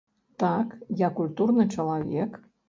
Так, я культурны чалавек!